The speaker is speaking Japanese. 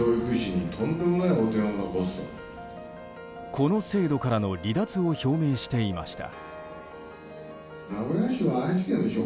この制度からの離脱を表明していました。